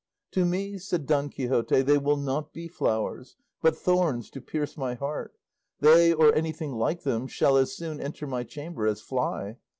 "To me," said Don Quixote, "they will not be flowers, but thorns to pierce my heart. They, or anything like them, shall as soon enter my chamber as fly.